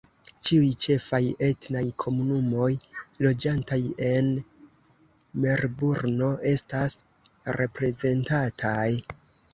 Ĉiuj ĉefaj etnaj komunumoj loĝantaj en Melburno estas reprezentataj.